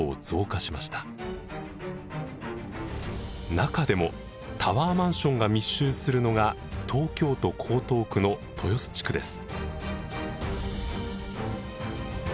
中でもタワーマンションが密集するのが東京都江東区の豊洲地区です。